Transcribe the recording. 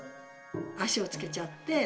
足をつけちゃって。